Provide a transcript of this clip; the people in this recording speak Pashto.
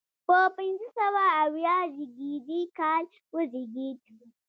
په پنځه سوه اویا زیږدي کال وزیږېد.